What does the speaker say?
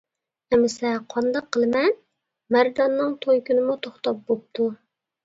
-ئەمىسە قانداق قىلىمەن؟ مەرداننىڭ توي كۈنىمۇ توختاپ بوپتۇ.